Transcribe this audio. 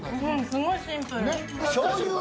すごいシンプル。